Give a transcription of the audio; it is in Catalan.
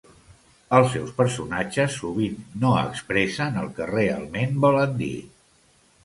Els seus personatges sovint no expressen el que realment volen dir.